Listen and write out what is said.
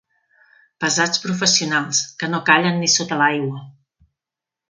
Pesats professionals, que no callen ni sota l'aigua.